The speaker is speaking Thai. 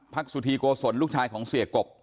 พรรคสุธีโกโสนลูกถ่ายของเศสเกบ